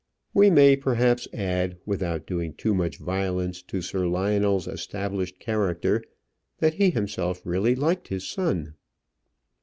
We may perhaps add, without doing too much violence to Sir Lionel's established character, that he himself really liked his son.